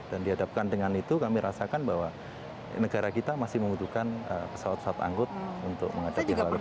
dan dihadapkan dengan itu kami merasakan bahwa negara kita masih membutuhkan pesawat pesawat anggut untuk mengajak hal tersebut